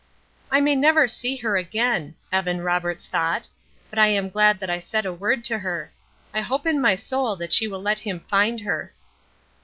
"I may never see her again," Evan Roberts thought, "but I am glad that I said a word to her. I hope in my soul that she will let Him find her."